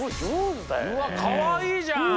うわっかわいいじゃん！